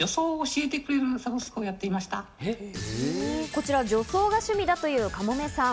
こちら女装が趣味だという、かもめさん。